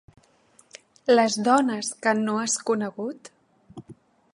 Les dones que no has conegut?